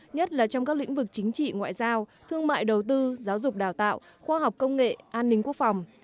nhất là trong các lĩnh vực chính trị ngoại giao thương mại đầu tư giáo dục đào tạo khoa học công nghệ an ninh quốc phòng